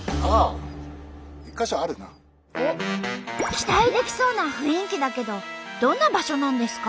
期待できそうな雰囲気だけどどんな場所なんですか？